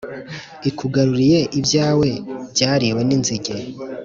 Ikugaruriye ibyawe byariwe ninzige